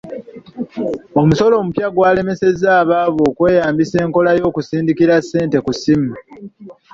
Omusolo omupya gwalemesezza abaavu okweyambisa enkola y'okusindikira ssente ku masimu.